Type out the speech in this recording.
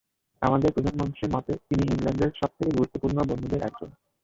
আমাদের প্রধানমন্ত্রীর মতে, তিনি ইংল্যান্ডের সবথেকে গুরুত্বপূর্ণ বন্ধুদের একজন।